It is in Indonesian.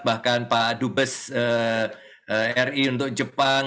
bahkan pak dubes ri untuk jepang